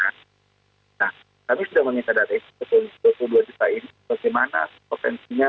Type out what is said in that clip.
nah kami sudah menginterdari dua puluh dua juta ini bagaimana potensinya